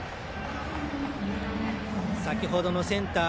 先ほどのセンター